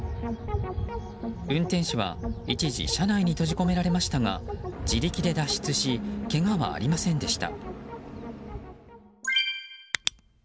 運転手は一時車内に閉じ込められましたが自力で脱出しけがはありませんでした。